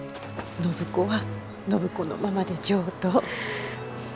暢子は暢子のままで上等。